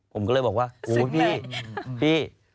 ผมก็เลยบอกว่าโอ๊ยพี่พี่